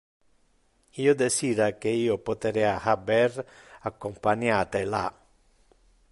Io desira que io poterea haber accompaniate la.